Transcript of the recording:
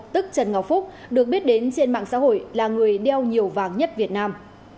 tức trần ngọc phúc được biết đến trên mạng xã hội là người đeo nhiều vàng nhất việt nam